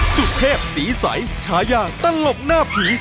สุเทพศรีใสฉายาตลกหน้าผี